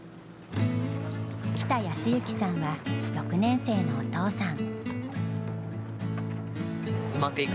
北泰之さんは、６年生のお父さん。